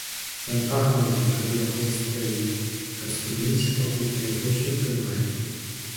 Ён прагнуў ужо, каб яго застрэлілі, каб спыніліся пакуты, а яго ўсё трымалі.